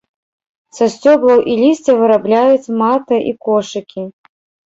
Са сцёблаў і лісця вырабляюць маты і кошыкі.